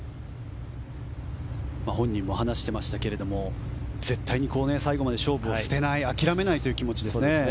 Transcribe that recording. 本人も話していましたが絶対に最後まで勝負を捨てない諦めないという気持ちですね。